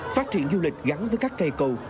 phát triển du lịch gắn với các cây cầu